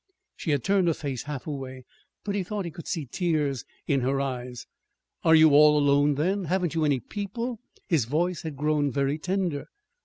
She had turned her face half away, but he thought he could see tears in her eyes. "Are you all alone, then? Haven't you any people?" His voice had grown very tender.